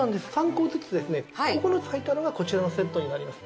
９つ入ったのがこちらのセットになります。